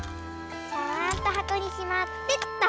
ちゃんとはこにしまってと。